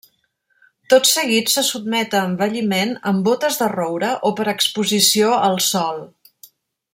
Tot seguit, se sotmet a envelliment en bótes de roure o per exposició al sol.